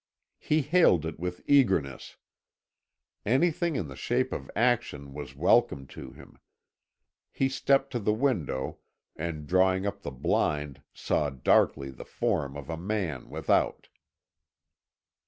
He hailed it with eagerness; anything in the shape of action was welcome to him. He stepped to the window, and drawing up the blind saw darkly the form of a man without.